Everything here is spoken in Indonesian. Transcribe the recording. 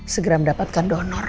segera mendapatkan donor